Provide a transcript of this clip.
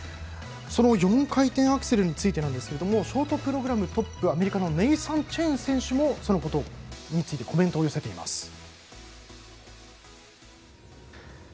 その４回転アクセルについてですけれどもショートプログラムトップのアメリカのネイサン・チェン選手もそのことについてコメントを寄せています。